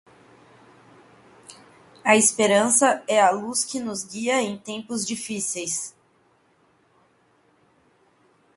A esperança é a luz que nos guia em tempos difíceis.